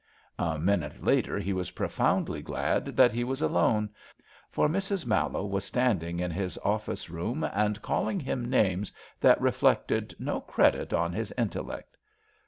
A minute later he was profoundly glad that he was alone, for Mrs. Mallowe was standing in his office room and calling him names that reflected no credit' on his intellect.